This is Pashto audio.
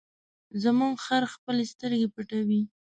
زموږ خر خپلې سترګې پټوي.